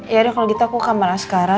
yaudah kalau gitu aku ke kamar askara